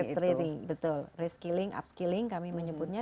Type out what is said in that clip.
training betul reskilling upskilling kami menyebutnya